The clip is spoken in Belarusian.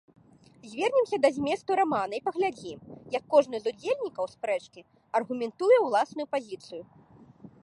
Звернемся да зместу рамана і паглядзім, як кожны з удзельнікаў спрэчкі аргументуе ўласную пазіцыю.